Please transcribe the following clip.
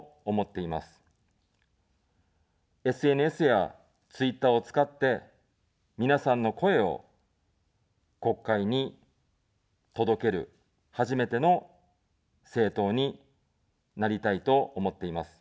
ＳＮＳやツイッターを使って、皆さんの声を国会に届ける初めての政党になりたいと思っています。